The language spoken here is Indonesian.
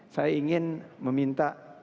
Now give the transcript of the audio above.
saya ingin meminta